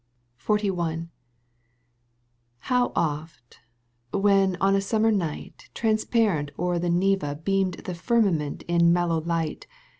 XLI. How oft, when on a summer night Transparent o'er the Neva beamed The firmament in mellow light.